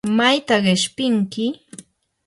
¿mayta qishpinki?